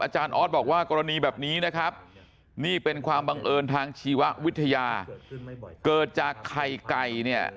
ออสบอกว่ากรณีแบบนี้นะครับนี่เป็นความบังเอิญทางชีววิทยาเกิดจากไข่ไก่เนี่ย